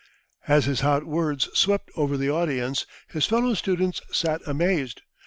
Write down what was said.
As his hot words swept over the audience, his fellow students sat amazed.